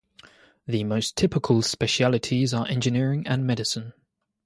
The most typical specialties are engineering and medicine.